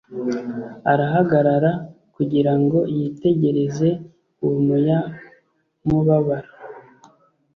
arahagarara kugira ngo yitegereze uwo muyamubabaro,